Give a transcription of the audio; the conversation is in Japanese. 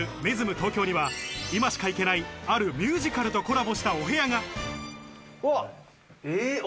東京には今しか行けない、あるミュージカルとコラボしたお部屋が。